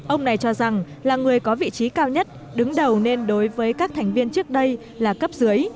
ông này cho rằng là người có vị trí cao nhất đứng đầu nên đối với các thành viên trước đây là cấp dưới